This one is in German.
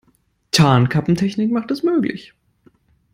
Tarnkappentechnik macht es möglich.